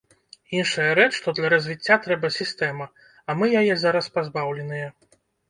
Іншая рэч, што для развіцця трэба сістэма, а мы яе зараз пазбаўленыя.